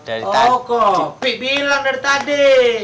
oh kopi bilang dari tadi